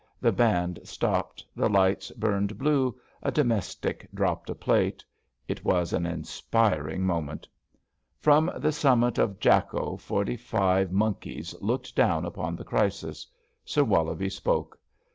The band stopped. The lights, burned blue. A domestic dropped a plate. It was an inspiring moment. From the summit of Jakko forty five monkies looked down upon the crisis. Sir Wollobie spoke.